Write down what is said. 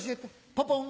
ポポン！